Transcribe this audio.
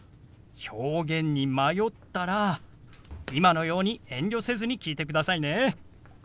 表現に迷ったら今のように遠慮せずに聞いてくださいね。